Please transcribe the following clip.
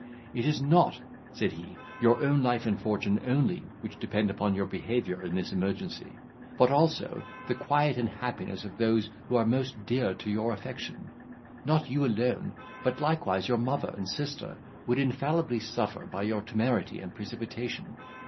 "It is not," said he, "your own life and fortune only which depend upon your behaviour in this emergency, but also the quiet and happiness of those who are most dear to your affection. Not you alone, but likewise your mother and sister, would infallibly suffer by your temerity and precipitation.